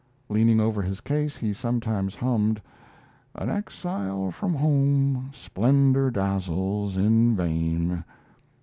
Leaning over his case, he sometimes hummed: "An exile from home, splendor dazzles in vain."